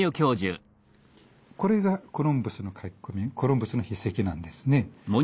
これがコロンブスの書き込みコロンブスの筆跡なんですね。